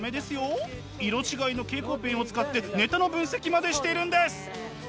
色違いの蛍光ペンを使ってネタの分析までしているんです。